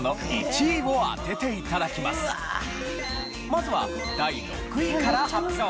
まずは第６位から発表。